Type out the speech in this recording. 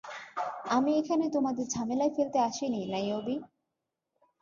আমি এখানে তোমাদের ঝামেলায় ফেলতে আসিনি, নাইয়োবি।